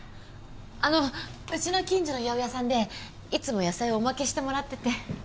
あのうちの近所の八百屋さんでいつも野菜をおまけしてもらってて。